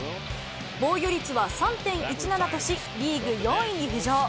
防御率は３．１７とし、リーグ４位に浮上。